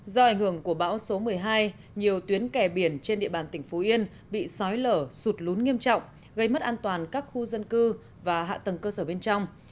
do ảnh hưởng của bão số một mươi hai nhiều tuyến kè biển trên địa bàn tỉnh phú yên bị sói lở sụt lún nghiêm trọng gây mất an toàn các khu dân cư và hạ tầng cơ sở bên trong